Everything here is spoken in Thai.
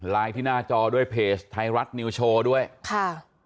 ที่หน้าจอด้วยเพจไทยรัฐนิวโชว์ด้วยค่ะ